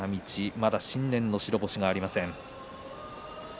まだ新年での白星がありません。